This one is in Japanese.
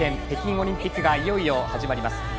北京オリンピックがいよいよ始まります。